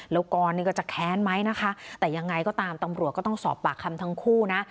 แล้วกรนี่ก็จะแค้นไหมนะคะแต่ยังไงก็ตามตำรวจก็ต้องสอบปากคำทั้งคู่นะ